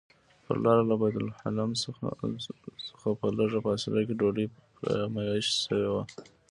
پر لاره له بیت لحم نه په لږه فاصله کې ډوډۍ فرمایش شوی و.